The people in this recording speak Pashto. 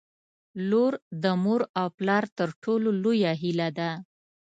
• لور د مور او پلار تر ټولو لویه هیله ده.